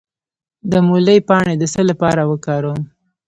د مولی پاڼې د څه لپاره وکاروم؟